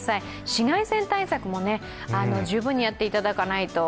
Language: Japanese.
紫外線対策も十分にやっていただかないと。